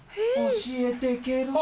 教えてけろ。